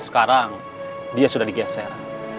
sekarang dia sudah digeser